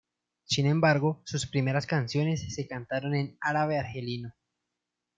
Sin embargo, sus primeras canciones, se cantaron en árabe argelino.